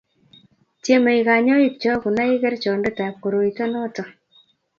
tyemei kanyoikcho kunai kerchondetab koroito noto